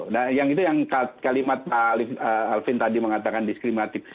nah yang itu yang kalimat pak alvin tadi mengatakan diskriminatif